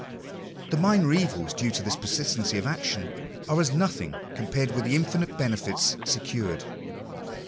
The minor evils due to this persistency of action are as nothing compared with the infinite benefits secured.